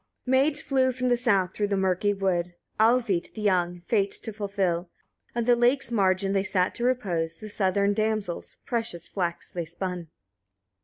1. Maids flew from the south, through the murky wood, Alvit the young, fate to fulfil. On the lake's margin they sat to repose, the southern damsels; precious flax they spun.